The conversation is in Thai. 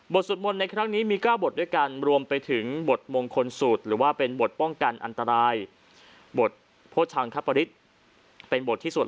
บทสดมนต์ในครั้งนี้มี๙บทด้วยกันรวมไปถึงบทมงคลสูตรหรือว่าเป็นบทป้องกันอันตราย